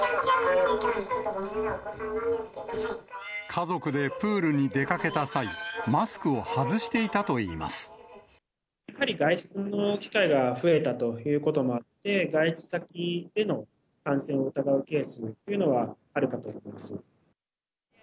家族でプールに出かけた際、やはり外出の機会が増えたということもあって、外出先での感染を疑うケースというのはあるかと思います。